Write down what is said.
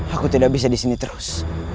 aku tidak bisa disini terus